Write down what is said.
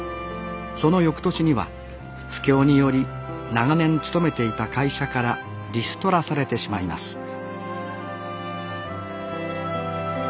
その翌年には不況により長年勤めていた会社からリストラされてしまいます